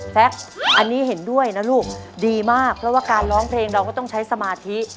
แซ็กอันนี้เห็นด้วยนะลูกดีมากเพราะว่าการร้องเพลงเราก็ต้องใช้สมาธิ